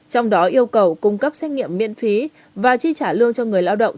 trong đó yêu cầu cung cấp xét nghiệm miễn phí và chi trả lương cho người lao động